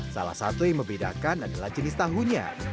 salah satu yang membedakan adalah jenis tahunya